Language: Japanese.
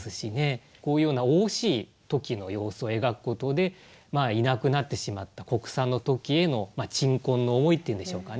こういうような雄々しい桃花鳥の様子を描くことでいなくなってしまった国産の桃花鳥への鎮魂の思いっていうんでしょうかね。